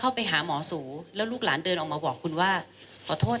อาจจะไม่รู้ถึงขั้นตอนการตรวจของแพทย์